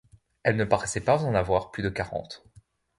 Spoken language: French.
elle ne paraissait pas en avoir plus de quarante.